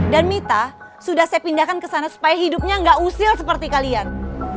dan mita sudah saya pindahkan ke sana supaya hidupnya nggak usil seperti kalian